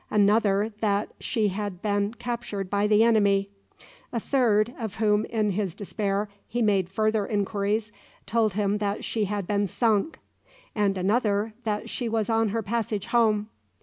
Another that she had been captured by the enemy. A third, of whom in his despair he made further inquiries, told him that she had been sunk; and another, that she was on her passage home.